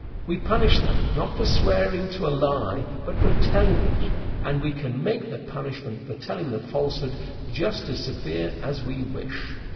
We punish them, not for swearing to a lie, but for telling it, and we can make the punishment for telling the falsehood just as severe as we wish.